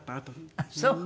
ああそう。